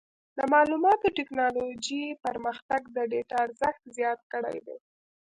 د معلوماتي ټکنالوجۍ پرمختګ د ډیټا ارزښت زیات کړی دی.